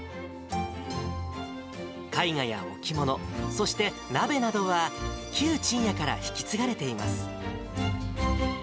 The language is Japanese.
絵画や置物、そして鍋などは、旧ちんやから引き継がれています。